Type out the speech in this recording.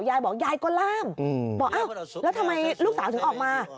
ยายบอกยายก็ล่ามบอกอ้าวแล้วทำไมลูกสาวถึงออกมา